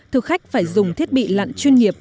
thực khách phải dùng thiết bị lặn chuyên nghiệp